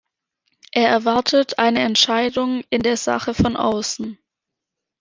Er erwartet eine Entscheidung in der Sache von außen.